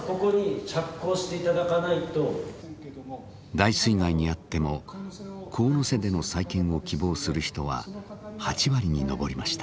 大水害に遭っても神瀬での再建を希望する人は８割に上りました。